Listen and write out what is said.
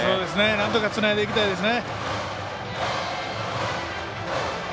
なんとかつないでいきたいですね。